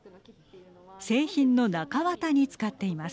製品の中綿に使っています。